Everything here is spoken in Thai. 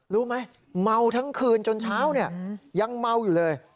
รู้ไหมเมาทั้งคืนจนเช้าเนี่ยยังเมาอยู่เลย